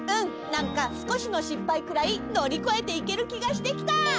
なんかすこしのしっぱいくらいのりこえていけるきがしてきた！